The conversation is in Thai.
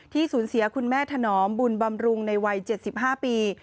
สูญเสียคุณแม่ถนอมบุญบำรุงในวัย๗๕ปี